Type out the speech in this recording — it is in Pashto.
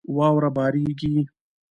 واوره بارېږي.